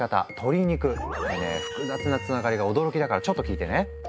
これ複雑なつながりが驚きだからちょっと聞いてね。